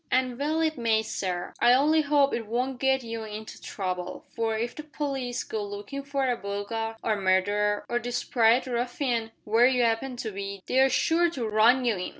"And well it may, sir. I only 'ope it won't get you into trouble, for if the p'leece go lookin' for a burglar, or murderer, or desprit ruffian, where you 'appen to be, they're sure to run you in.